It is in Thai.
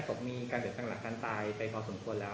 สกตร์มีการเดือดทหารการตายไปพอสมควรแล้ว